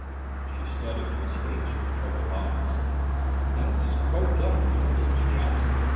She studied his face with troubled eyes. "That's quite definite, is it?" she asked.